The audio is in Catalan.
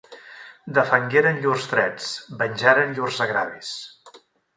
Defengueren llurs drets, venjaren llurs agravis.